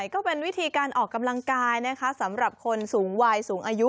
ก็เป็นวิธีการออกกำลังกายนะคะสำหรับคนสูงวัยสูงอายุ